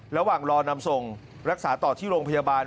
ระหว่างรอนำส่งรักษาต่อที่โรงพยาบาล